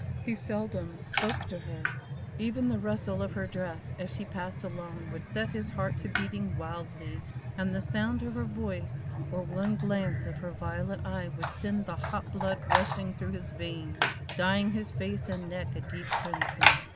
He seldom spoke to her. Even the rustle of her dress as she passed along would set his heart to beating wildly, and the sound of her voice, or one glance of her violet eye would send the hot blood rushing through his veins, dyeing his face and neck a deep crimson.